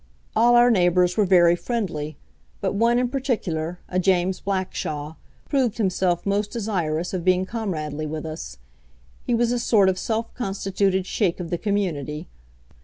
All our neighbours were very friendly; but one in particular, a James Blackshaw, proved himself most desirous of being comradely with us. He was a sort of self constituted sheik of the community.